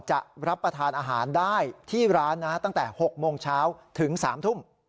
จะรับประทานอาหารได้ที่ร้านนะตั้งแต่๖โมงเช้าถึง๓ทุ่ม